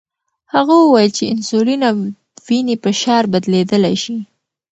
هغه وویل چې انسولین او وینې فشار بدلیدلی شي.